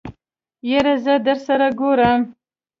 يره زه درسره ګورم.